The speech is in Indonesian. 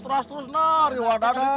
terus terus nah di wadah itu